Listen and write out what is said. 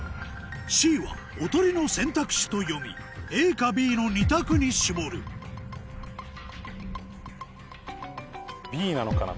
Ｃはおとりの選択肢と読みＡかＢの２択に絞るＢなのかな？